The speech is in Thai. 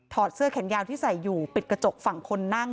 เสื้อแขนยาวที่ใส่อยู่ปิดกระจกฝั่งคนนั่ง